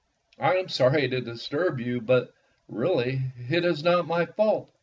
I am sorry to disturb you, but really it is not my fault.